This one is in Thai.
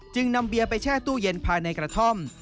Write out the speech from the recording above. นำเบียร์ไปแช่ตู้เย็นภายในกระท่อม